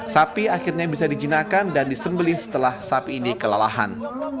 sapi akhirnya bisa dijinakan dan disembelih setelah sapi ini kelelahan